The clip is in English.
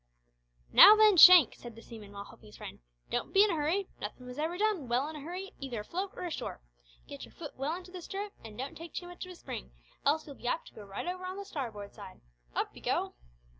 "Now then, Shank," said the seaman, while helping his friend, "don't be in a hurry. Nothin' was ever done well in a hurry either afloat or ashore. Git your futt well into the stirrup an' don't take too much of a spring, else you'll be apt to go right over on the starboard side. Hup you go!"